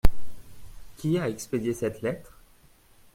Qui a expédié cette lettre ?